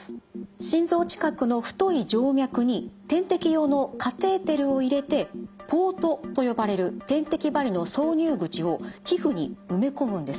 心臓近くの太い静脈に点滴用のカテーテルを入れてポートと呼ばれる点滴針の挿入口を皮膚に埋め込むんです。